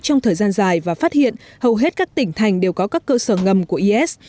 trong thời gian dài và phát hiện hầu hết các tỉnh thành đều có các cơ sở ngầm của is